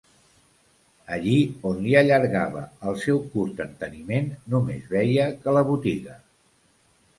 Allí on li allargava el seu curt enteniment nomes veia que la botiga